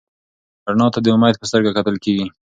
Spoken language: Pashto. رڼا ته د امید په سترګه کتل کېږي.